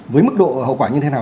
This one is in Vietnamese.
với mức độ hậu quả như thế nào